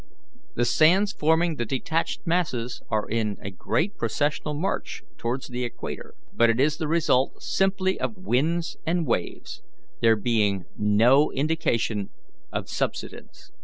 The sands forming the detached masses are in a great processional march towards the equator, but it is the result simply of winds and waves, there being no indication of subsidence.